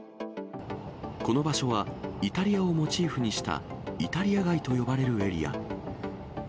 この場所は、イタリアをモチーフにした、イタリア街と呼ばれるエリア。